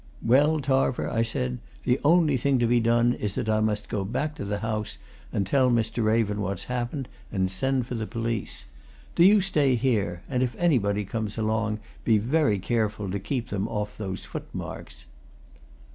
"Well, Tarver," I said, "the only thing to be done is that I must go back to the house and tell Mr. Raven what's happened, and send for the police. Do you stay here and if anybody comes along, be very careful to keep them off those footmarks."